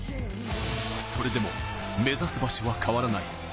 それでも目指す場所は変わらない。